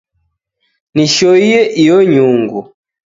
Nishoie iyo nyungu